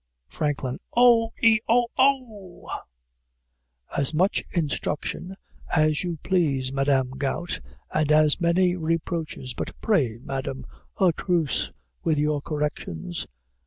FRANKLIN. Oh! eh! oh! Ohhh! As much instruction as you please, Madam Gout, and as many reproaches; but pray, Madam, a truce with your corrections!